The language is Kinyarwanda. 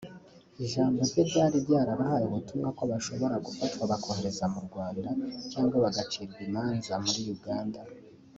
ijambo rye ryari ryarabahaye ubutumwa ko bashobora gufatwa bakoherezwa mu Rwanda cyangwa bagacirwa imanza muri Uganda